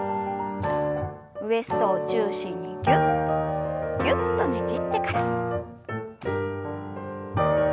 ウエストを中心にギュッギュッとねじってから。